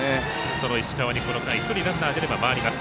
その石川に、この回１人ランナー出れば回ります。